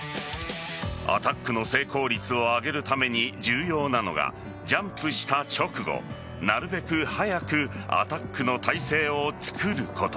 アタックの成功率を上げるために重要なのがジャンプした直後なるべく早くアタックの体勢を作ること。